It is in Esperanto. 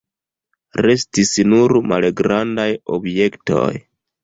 Restis nur malgrandaj objektoj.